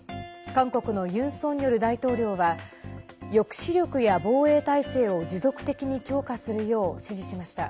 韓国のユン・ソンニョル大統領は抑止力や防衛態勢を持続的に強化するよう指示しました。